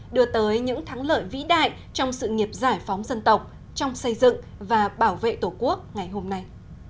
đưa tới những thắng lợi vĩ đại trong sự nghiệp giải phóng dân tộc trong xây dựng và bảo vệ tổ quốc ngày hôm nay